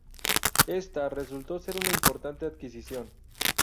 Ésta resultó ser una importante adquisición.